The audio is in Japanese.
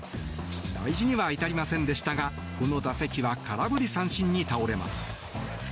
大事には至りませんでしたがこの打席は空振り三振に倒れます。